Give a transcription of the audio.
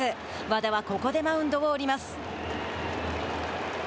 和田はここでマウンドを降ります。